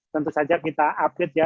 tentu saja kita update ya